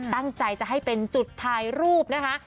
ตั้งใจจะให้เป็นจุดถ่ายรูปนะคะ